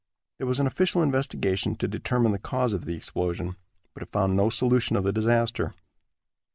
There was an official investigation to determine the cause of the explosion, but it found no solution of the disaster.